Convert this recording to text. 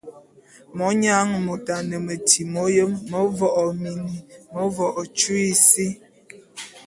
Monyang môt a ne metyi m'oyém; mevo'o ô mini, mevo'o ô tyui sí.